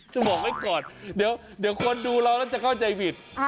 ช่วงบอกไอ้ก่อนเดี๋ยวเดี๋ยวคนดูเราก็จะเข้าใจผิด